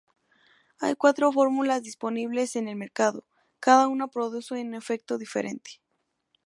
Hay cuatro fórmulas disponibles en el mercado: cada una produce un efecto diferente.